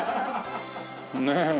ねえ。